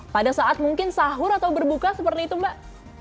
pada saat mungkin sahur atau berbuka seperti itu mbak